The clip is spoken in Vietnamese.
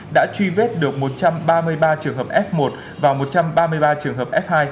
đã truy vết được một trăm ba mươi ba trường hợp f một và một trăm ba mươi ba trường hợp f hai